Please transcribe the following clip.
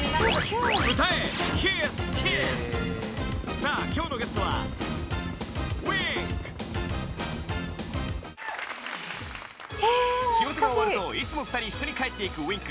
さあ今日のゲストはＷｉｎｋ仕事が終わるといつも２人一緒に帰っていくＷｉｎｋ。